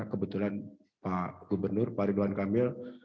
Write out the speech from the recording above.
kebetulan pak gubernur pak ridwan kamil